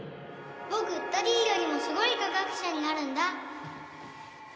僕ダディーよりもすごい科学者になるんだ。